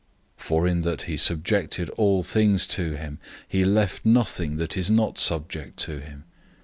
"{Psalm 8:4 6} For in that he subjected all things to him, he left nothing that is not subject to him.